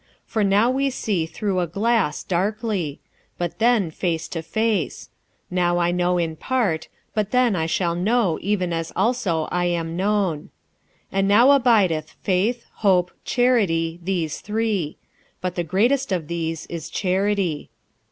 46:013:012 For now we see through a glass, darkly; but then face to face: now I know in part; but then shall I know even as also I am known. 46:013:013 And now abideth faith, hope, charity, these three; but the greatest of these is charity.